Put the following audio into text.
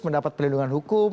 mendapat perlindungan hukum